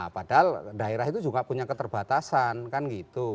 padahal daerah itu juga punya keterbatasan kan gitu